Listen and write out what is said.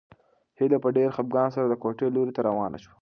هیله په ډېر خپګان سره د کوټې لوري ته روانه شوه.